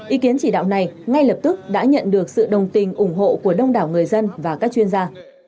ý kiến chỉ đạo này ngay lập tức đã nhận được sự đồng tình ủng hộ của đông đảo người dân và các chuyên gia